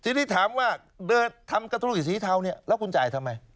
ทีนี้ถามว่าเดินทำกระทุรีสีเทาเนี่ยแล้วคุณจ่ายทำไม